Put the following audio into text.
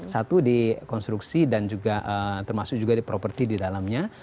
satu di konstruksi dan juga termasuk juga di properti di dalamnya